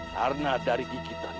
karena dari gigitannya